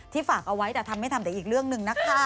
ฝากเอาไว้แต่ทำไม่ทำแต่อีกเรื่องหนึ่งนะคะ